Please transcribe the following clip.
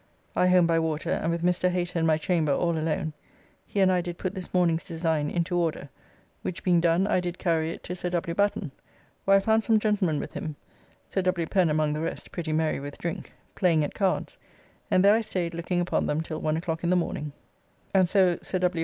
I home by water, and with Mr. Hater in my chamber all alone he and I did put this morning's design into order, which being done I did carry it to Sir W. Batten, where I found some gentlemen with him (Sir W. Pen among the rest pretty merry with drink) playing at cards, and there I staid looking upon them till one o'clock in the morning, and so Sir W.